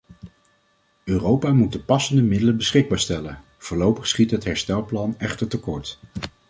Europa moet de passende middelen beschikbaar stellen: voorlopig schiet het herstelplan echter tekort.